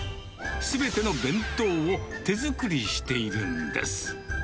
すべての弁当を手作りしているんです。